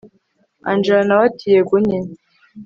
angella nawe ati yego nyine